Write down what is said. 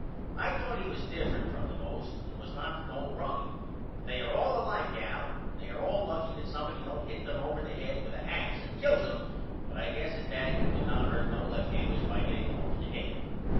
I thought he was different from the most and was not no rummy but they are all alike Al and they are all lucky that somebody don't hit them over the head with a ax and kill them but I guess at that you could not hurt no lefthanders by hitting them over the head.